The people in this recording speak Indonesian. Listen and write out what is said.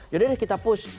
jadi kita push